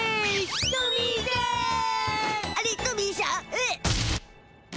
えっ？